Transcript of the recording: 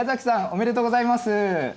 おめでとうございます。